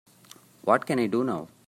what can I do now?